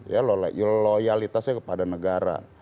ya loyalitasnya kepada negara